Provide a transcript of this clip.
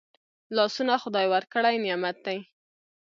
لاسونه خدای ورکړي نعمت دی